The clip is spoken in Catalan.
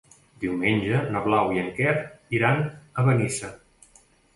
Diumenge na Blau i en Quer iran a Benissa.